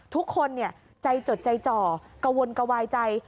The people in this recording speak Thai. ทุกคนใจจดใจจ่อกระวนกระวายใจ